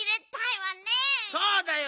そうだよ！